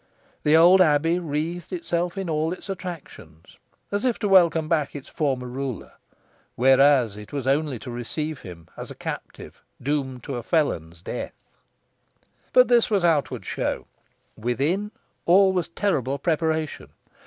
The old abbey wreathed itself in all its attractions, as if to welcome back its former ruler, whereas it was only to receive him as a captive doomed to a felon's death. But this was outward show. Within all was terrible preparation.